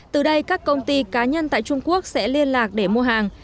từ đây các công ty cá nhân tại trung quốc sẽ liên lạc để mua hàng